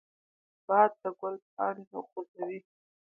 باد د ګل پاڼې خوځوي